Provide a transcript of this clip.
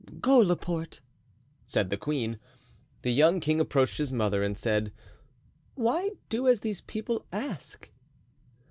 "Go, Laporte," said the queen. The young king approached his mother and said, "Why do as these people ask?"